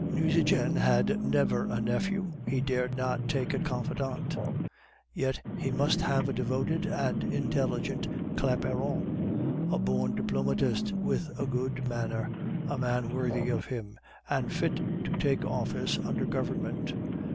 Nucingen had never a nephew, he dared not take a confidant; yet he must have a devoted and intelligent Claparon, a born diplomatist with a good manner, a man worthy of him, and fit to take office under government.